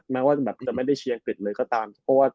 แม้ว่าจะไม่ได้เชียร์อังกฤษเลยก็ตาม